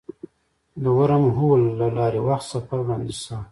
د ورم هول له لارې وخت سفر وړاندیز شوی.